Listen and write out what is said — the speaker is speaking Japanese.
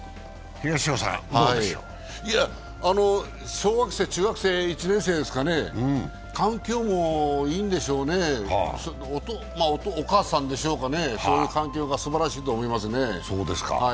小学生、中学生１年生ですかね、環境もいいんでしょうね、お母さんでしょうかね、そういう環境がすばらしいと思いますね。